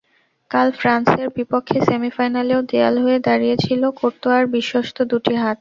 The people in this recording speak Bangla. কাল ফ্রান্সের বিপক্ষে সেমিফাইনালেও দেয়াল হয়ে দাঁড়িয়েছিল কোর্তোয়ার বিশ্বস্ত দুটি হাত।